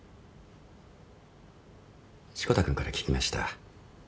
志子田君から聞きました。